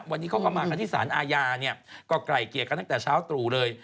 แล้วที่สารอาญาเนี่ยก็ไก่เกลี่ยกันตั้งแต่เช้าตรู่เลย